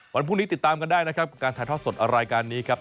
วันพรุ่งนี้ติดตามกันได้นะครับกับการถ่ายทอดสดรายการนี้ครับ